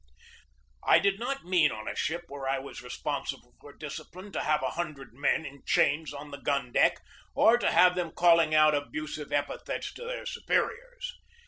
I did not mean on a ship where I was responsible for discipline to have a hundred men in chains on the gun deck or to have them calling out abusive epi thets to their superiors.